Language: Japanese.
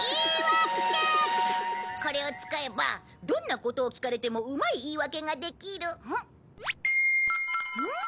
これを使えばどんなことを聞かれてもうまい言い訳ができる。